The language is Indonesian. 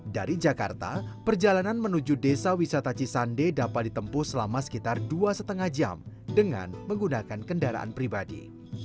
dari jakarta perjalanan menuju desa wisata cisande dapat ditempuh selama sekitar dua lima jam dengan menggunakan kendaraan pribadi